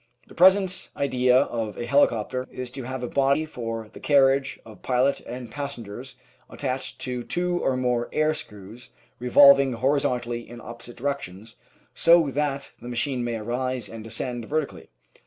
The present idea of a helicopter is to have a body for the carriage of pilot and pas sengers attached to two or more air screws revolving horizontally in opposite directions, so that the machine may arise and descend vertically.